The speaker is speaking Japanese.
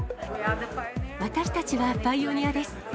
私たちはパイオニアです。